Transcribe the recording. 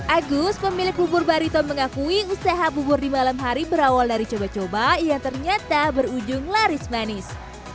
agus pemilik bubur barito mengakui usaha bubur di malam hari berawal dari coba coba yang ternyata berujung laris manis